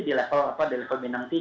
di level bintang tiga